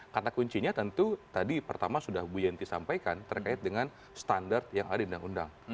karena kuncinya tentu tadi pertama sudah bu yanti sampaikan terkait dengan standar yang ada di undang undang